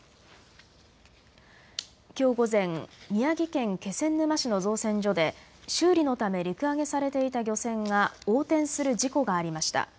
きょう午前、宮城県気仙沼市の造船所で修理のため陸揚げされていた漁船が横転する事故がありました。